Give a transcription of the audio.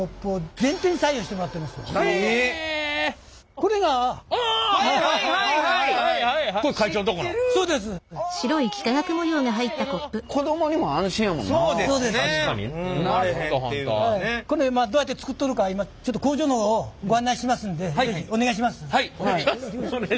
これをどうやって作っとるか工場の方をご案内しますんでお願いします。